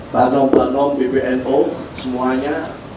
banom banom bbno semuanya